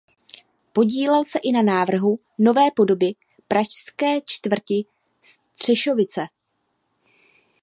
Podílel se i na návrhu nové podoby pražské čtvrti Střešovice.